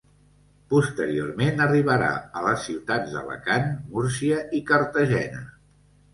Posteriorment arribarà a les ciutats d'Alacant, Múrcia i Cartagena.